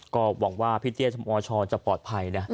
ก็หวังว่าพี่เตี้ยอชจะปลอดภัยนะ